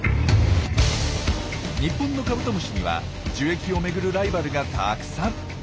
日本のカブトムシには樹液を巡るライバルがたくさん。